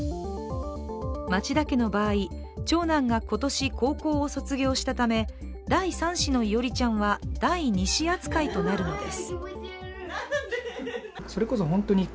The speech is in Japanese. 町田家の場合、長男が今年高校を卒業したため第３子のいおりちゃんは第２子扱いとなるのです。